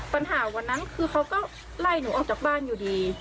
ปัญหาวันนั้นคือเขาก็ไล่หนูออกจากบ้านอยู่ดี